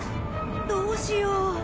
どうしよう。